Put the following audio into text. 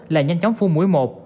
là nhanh chóng phun mũi một